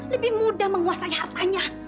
lebih mudah menguasai hartanya